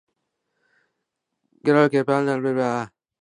Gregoire Kayibanda, an ethnic Hutu, led the Hutu "emancipation" movement.